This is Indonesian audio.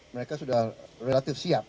mereka sudah relatif siap